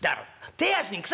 手足にくさ。